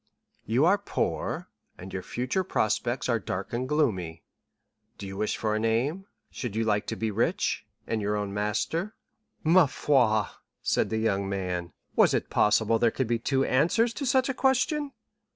"'You are poor, and your future prospects are dark and gloomy. Do you wish for a name? should you like to be rich, and your own master?'" "Parbleu!" said the young man; "was it possible there could be two answers to such a question?"